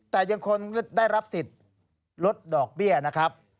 แต่ยังคงได้รับสิทธิ์ลดดอกเบี้ยนะครับ